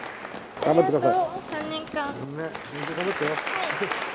頑張ってください。